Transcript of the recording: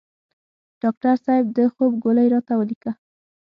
ډاکټر صیب د خوب ګولۍ راته ولیکه